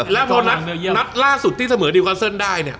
แล้วพอนัดล่าสุดที่เสมอได้เนี่ย